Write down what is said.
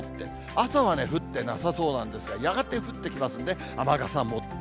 朝は、降ってなさそうなんですが、やがて降ってきますので、雨傘持って。